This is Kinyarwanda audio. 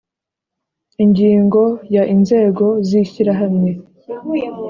Ingingo ya Inzego z ishyirahamwe